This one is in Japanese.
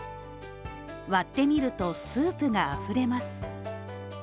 割ってみるとスープがあふれます。